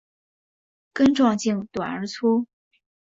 根状茎短而粗。